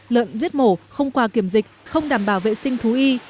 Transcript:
lợn giết mổ không qua kiểm dịch không đảm bảo vệ sinh thú y